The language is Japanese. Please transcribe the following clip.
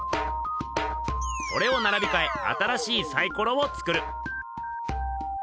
それをならびかえ新しいサイコロを作る。